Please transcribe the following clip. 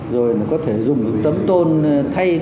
rồi có thể dùng những tấm tôn thay